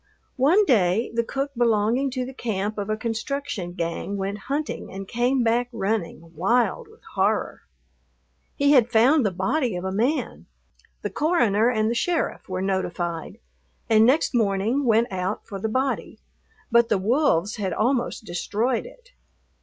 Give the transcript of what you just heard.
One day the cook belonging to the camp of a construction gang went hunting and came back running, wild with horror. He had found the body of a man. The coroner and the sheriff were notified, and next morning went out for the body, but the wolves had almost destroyed it.